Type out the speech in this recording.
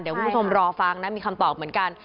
เดี๋ยวคุณผู้ชมรอฟังนะมีคำตอบเหมือนกัน